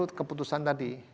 ya itu keputusan tadi